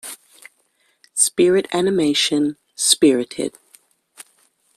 Spirit animation Spirited.